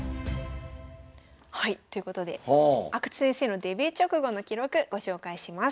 はいということで阿久津先生のデビュー直後の記録ご紹介します。